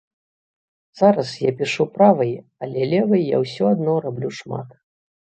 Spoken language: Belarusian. Зараз я пішу правай, але левай я ўсё адно раблю шмат.